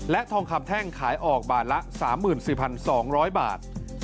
และทองคำแท่งขายออกบาทละ๓๔๒๐๐บาท